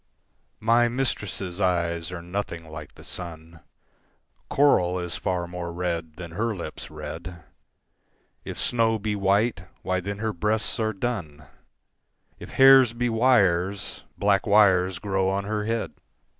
MY mistress' eyes are nothing like the sun; Coral is far more red than her lips' red; If snow be white, why then her breasts are dun; If hairs be wires, black wires grow on her head.